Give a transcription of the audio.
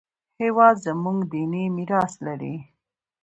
هېواد زموږ دیني میراث لري